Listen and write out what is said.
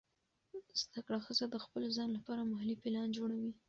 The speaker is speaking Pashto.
زده کړه ښځه د خپل ځان لپاره مالي پلان جوړوي.